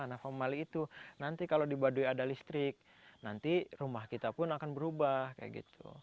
nah homemali itu nanti kalau di baduy ada listrik nanti rumah kita pun akan berubah kayak gitu